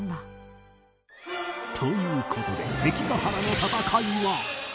という事で関ヶ原の戦いは